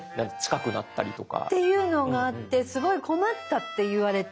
近くなったりとか。っていうのがあってすごい困ったって言われて。